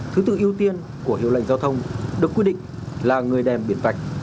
thứ tự ưu tiên của hiệu lệnh giao thông được quy định là người đèn biển vạch